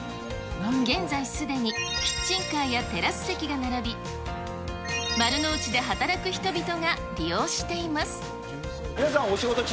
現在、すでにキッチンカーやテラス席が並び、丸の内で働く人々が利用し皆さん、お仕事中？